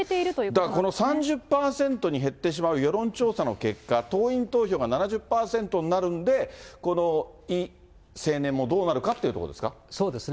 だからこの３０％に減ってしまう世論調査の結果、党員投票が７０％になるんで、このイ青年もどうなるかというところですか。